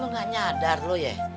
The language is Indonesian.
lu gak nyadar lo ya